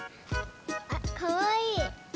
あかわいい！